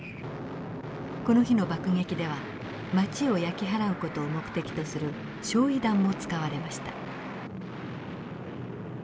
この日の爆撃では街を焼き払う事を目的とする焼夷弾も使われました。